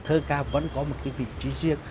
thơ ca vẫn có một cái vị trí riêng